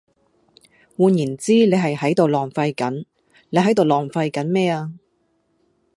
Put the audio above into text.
換言之你係喺度浪費緊，你喺度浪費緊咩啊?